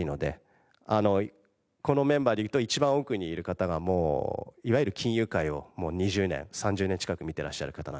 このメンバーでいうと一番奥にいる方がもういわゆる金融界をもう２０年３０年近く見てらっしゃる方なんですけど。